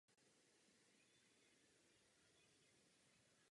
Na tuto hranici ho umístí a zároveň ji sníží o jedna.